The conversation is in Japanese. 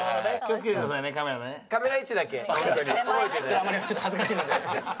あんまりちょっと恥ずかしいので。